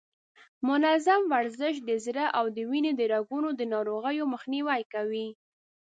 منظم ورزش د زړه او د وینې د رګونو د ناروغیو مخنیوی کوي.